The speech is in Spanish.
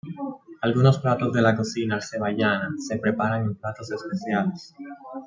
Algunos platos de la cocina azerbaiyana se preparan en platos especiales.